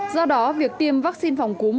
do đó việc tiêm vaccine phòng cúm